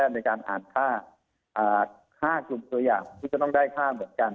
ในการอ่านค่า๕กลุ่มตัวอย่างที่จะต้องได้ค่าเหมือนกัน